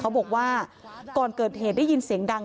บอกว่าก่อนเกิดเหตุได้ยินเสียงดัง